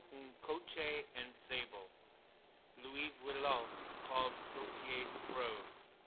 Un coche ensablé Louis Veuillot called Gautier's prose.